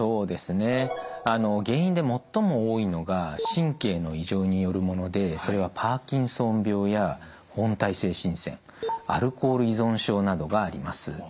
原因で最も多いのが神経の異常によるものでそれはパーキンソン病や本態性振戦アルコール依存症などがあります。